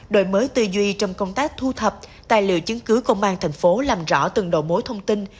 đội mới tư duy trong công tác thu thập tài liệu chứng cứ công an tp hcm làm rõ từng đồ mối thông tin